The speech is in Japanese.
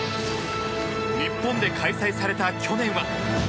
日本で開催された去年は。